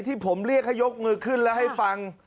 ที่ผมเรียกให้ยกมือขึ้นแล้วให้ฟัง